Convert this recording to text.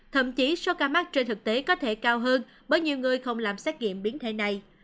thậm chí số ca mắc trên thực tế có thể cao hơn bởi nhiều người không làm xét nghiệm biến thể này